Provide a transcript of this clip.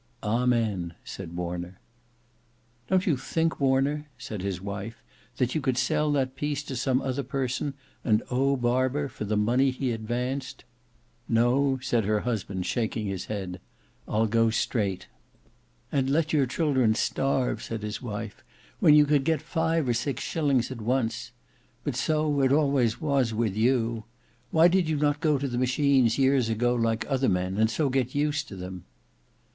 "Amen!" said Warner. "Don't you think Warner," said his wife, "that you could sell that piece to some other person, and owe Barber for the money he advanced?" "No!" said her husband shaking his head. "I'll go straight." "And let your children starve," said his wife, "when you could get five or six shillings at once. But so it always was with you! Why did not you go to the machines years ago like other men and so get used to them?"